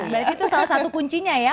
berarti itu salah satu kuncinya ya